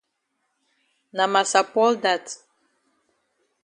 Na massa Paul dat.